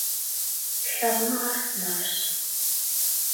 Лъагъуныгъэр нэфщ.